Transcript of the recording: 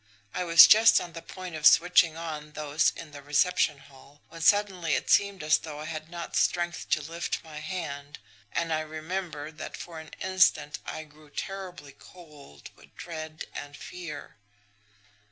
I was just on the point of switching on those in the reception hall, when suddenly it seemed as though I had not strength to lift my hand, and I remember that for an instant I grew terribly cold with dread and fear.